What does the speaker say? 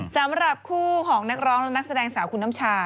สำหรับคู่ของนักร้องและนักแสดงสาวคุณน้ำชา